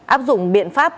áp dụng biện pháp